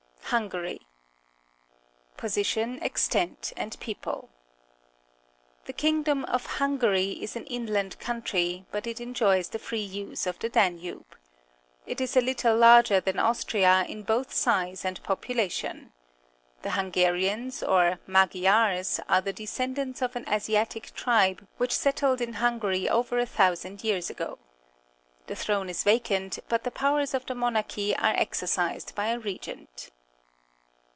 Position, Extent, and People. — The king dom of Hungary is an inland country, but it enjoys the free use of the Danube. It is a little larger than Austria in both size and population. The Hungarians, or Magyars, are the descendants of an Asiatic tribe which settled in Hungary over a thousand years ago. The throne is vacant, but the powers of the monarchy are exercised by a regent.